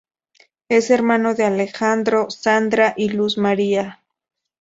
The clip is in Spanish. Es hermano de Alejandro, Sandra y Luz Marina.